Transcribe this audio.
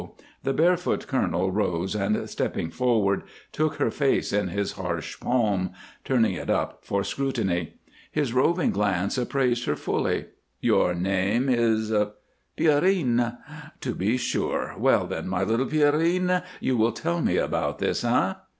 The barefoot colonel rose and, stepping forward, took her face in his harsh palm, turning it up for scrutiny. His roving glance appraised her fully. "Your name is " "Pierrine!" "To be sure. Well then, my little Pierrine, you will tell me about this, eh?"